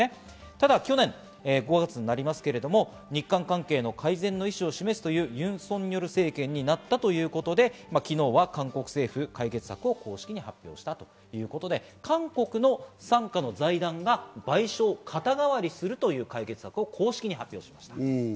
ただ去年、５月になりますが、日韓関係の改善の意思を示すというユン・ソンニョル政権になったということで、昨日は韓国政府、解決策を公式に発表したということで、韓国の傘下の財団が賠償を肩代わりするという解決策を公式に発表しました。